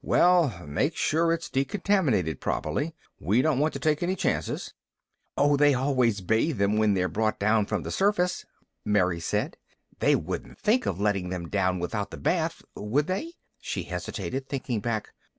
"Well, make sure it's decontaminated properly. We don't want to take any chances." "Oh, they always bathe them when they're brought down from the surface," Mary said. "They wouldn't think of letting them down without the bath. Would they?" She hesitated, thinking back.